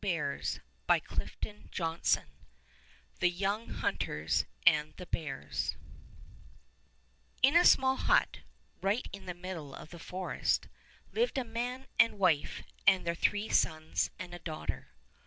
1 % s » I t « I 4 I THE YOUNG HUNTERS AND THE BEARS I N a small hut, right in the middle of the forest, lived a man and wife and their three sons and a daughter.